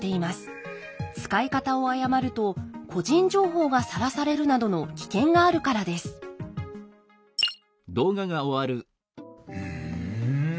使い方を誤ると個人情報がさらされるなどの危険があるからですふん。